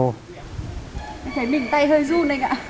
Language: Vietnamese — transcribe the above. em thấy mình tay hơi run anh ạ